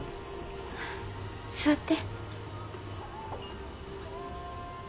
座って。